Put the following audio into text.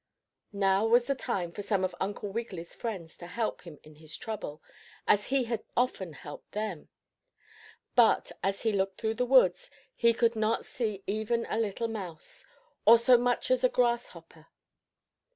Now was the time for some of Uncle Wiggily's friends to help him in his trouble, as he had often helped them. But, as he looked through the woods, he could not see even a little mouse, or so much as a grasshopper.